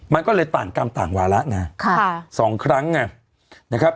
มันก็เลยต่างกรรมต่างวาระนะค่ะสองครั้งไงนะครับ